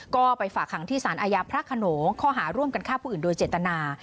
ก็ไปฝากหังที่สารอาญาพระขนงข้อหาร่วมกันฆ่าผู้อื่นโดยเจตนา